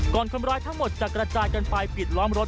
คนร้ายทั้งหมดจะกระจายกันไปปิดล้อมรถ